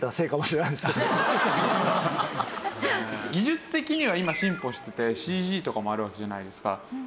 技術的には今進歩しててＣＧとかもあるわけじゃないですか。